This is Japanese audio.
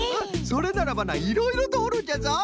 それならばないろいろとおるんじゃぞ。